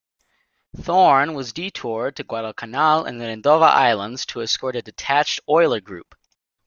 "Thorn" was detoured to Guadalcanal and Rendova Islands to escort a detached oiler group.